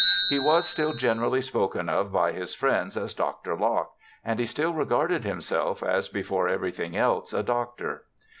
He was still generally spoken of by his friends as Dr. Locke, and he still regarded himself as before everything else a doctor.'